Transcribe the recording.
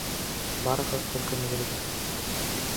Барығыҙ төркөмөгөҙгә!